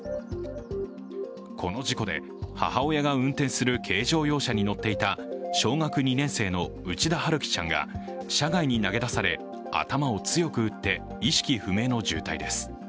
この事故で、母親が運転する軽乗用車に乗っていた小学２年生の内田晴葵ちゃんが車外に投げ出され頭を強く打って、意識不明の重体です。